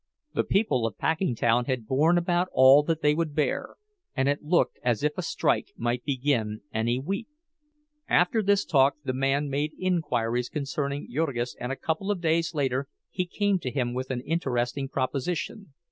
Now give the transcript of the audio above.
The people of Packingtown had borne about all that they would bear, and it looked as if a strike might begin any week. After this talk the man made inquiries concerning Jurgis, and a couple of days later he came to him with an interesting proposition.